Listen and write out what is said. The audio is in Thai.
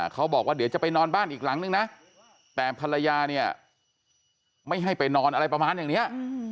เขาบอกว่าเดี๋ยวจะไปนอนบ้านอีกหลังนึงนะแต่ภรรยาเนี่ยไม่ให้ไปนอนอะไรประมาณอย่างนี้